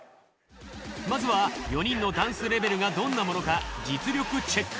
まずは４人のダンスレベルがどんなものか実力チェック。